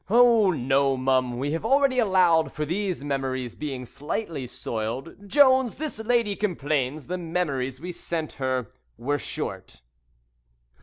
Oh, no, mum; we have already allowed for these memories being slightly soiled. Jones, this lady complains the memories we sent her were short."